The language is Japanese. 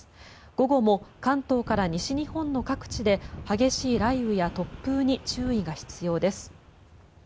午後も関東から西日本の各地で激しい雷雨や突風に注意が必要です。